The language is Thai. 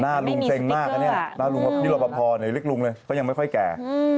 หน้าลุงเซ็งมากน่ะนี่พี่รบพเรียกลุงเลยเขายังไม่ค่อยแก่